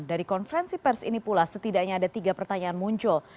dari konferensi pers ini pula setidaknya ada tiga pertanyaan muncul